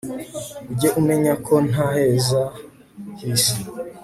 ujye umenya ko nta heza hisi